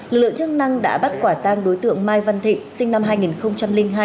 lực lượng chức năng đã bắt quả tang đối tượng mai văn thịnh sinh năm hai nghìn hai